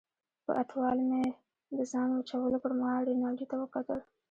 په اټوال مې د ځان وچولو پرمهال رینالډي ته وکتل.